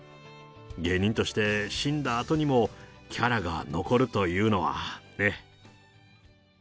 芸人として死んだあとにもキャラが残るというのはね。